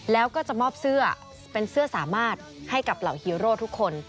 แล้วก็จะมอบเสื้อเป็นเสื้อสามารถให้กับเหล่าฮีโร่ทุกคน